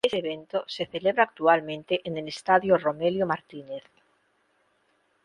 Este evento se celebra actualmente en el estadio Romelio Martínez.